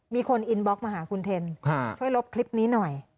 มีคนอินบล็อกมาหาคุณเทนช่วยลบคลิปนี้หน่อย